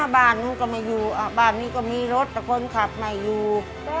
บ้านนู้นก็ไม่อยู่บ้านนี้ก็มีรถแต่คนขับไม่อยู่